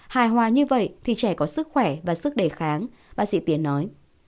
hài hòa như vậy thì trẻ có sức khỏe và sức đề kháng bác sĩ tiến nói